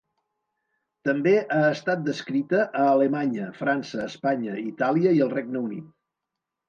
També ha estat descrita a Alemanya, França, Espanya, Itàlia i el Regne Unit.